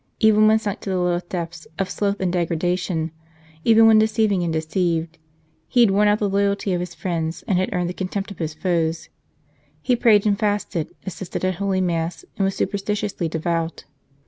Even when sunk to the lowest depths of sloth and degradation ; even when, deceiving and deceived, he had worn out the loyalty of his friends and had earned the contempt of his foes, he prayed and fasted, assisted at Holy Mass, and was superstitiously devout.